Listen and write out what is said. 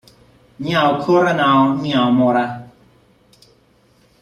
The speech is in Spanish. Não corra, não morra.